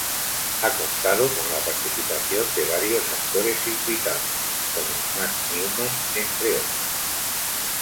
Ha contado con la participación de varios actores invitados, como Matt Newman, entre otros...